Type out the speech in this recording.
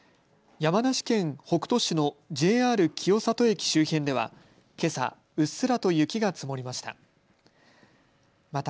山梨県北杜市のＪＲ清里駅周辺ではけさ、うっすらと雪が積もりました。